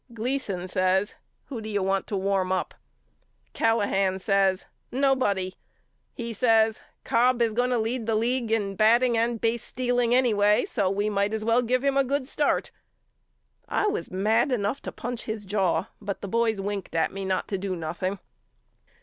Gleason says Who do you want to warm up? Callahan says Nobody. He says Cobb is going to lead the league in batting and basestealing anyway so we might as well give him a good start. I was mad enough to punch his jaw but the boys winked at me not to do nothing.